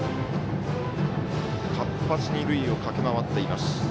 活発に塁を駆け回っています。